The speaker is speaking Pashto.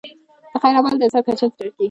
د خیر عمل د انسان کچه ټاکي.